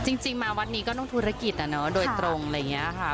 จริงมาวัดนี้ก็ต้องธุรกิจอะเนาะโดยตรงอะไรอย่างนี้ค่ะ